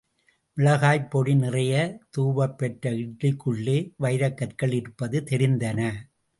மிளகாய்ப்பொடி நிறைய தூவப்பெற்ற இட்லிக்குள்ளே வைரக்கற்கள் இருப்பது தெரிந்தன.